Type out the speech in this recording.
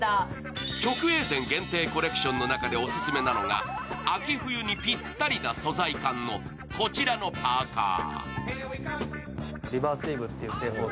直営店限定コレクションの中でオススメなのが秋冬にぴったりな素材感のこちらのパーカー。